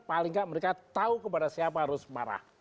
paling tidak mereka tahu kepada siapa harus marah